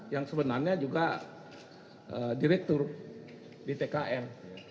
yang sebenarnya juga direktur di tkn